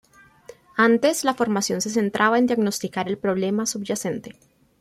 Antes, la formación se centraba en diagnosticar el problema subyacente.